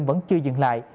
vẫn chưa dừng lại